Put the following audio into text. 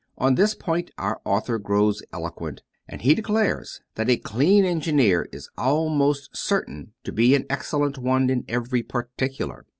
On this point our author grows eloquent, and he declares that a clean engineer is almost certain to be an excellent one in every particular.